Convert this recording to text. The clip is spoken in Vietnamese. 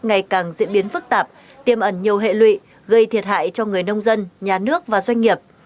ngày càng diễn biến phức tạp tiêm ẩn nhiều hệ lụy gây thiệt hại cho người nông dân nhà nước và doanh nghiệp